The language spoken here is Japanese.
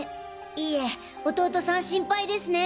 いえ弟さん心配ですね。